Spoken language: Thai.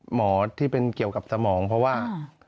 หมอที่เป็นเกี่ยวกับสมองเพราะว่า